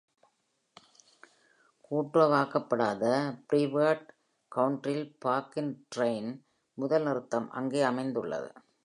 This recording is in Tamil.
கூட்டுறவாக்கப்படாத Brevard கவுன்டியில் பார்க்-இன் ரைடின் முதல் நிறுத்தம் அங்கே அமைந்துள்ளது.